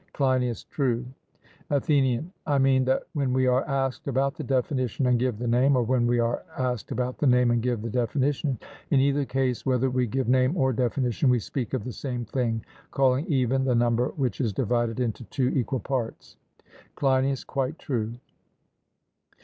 CLEINIAS: True. ATHENIAN: I mean, that when we are asked about the definition and give the name, or when we are asked about the name and give the definition in either case, whether we give name or definition, we speak of the same thing, calling 'even' the number which is divided into two equal parts. CLEINIAS: Quite true.